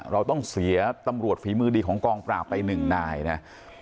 เราต้องเสียตำรวจฝีมือดีของกองปราบไปหนึ่งนายนะ